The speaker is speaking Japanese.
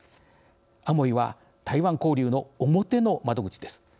アモイは台湾交流の表の窓口です。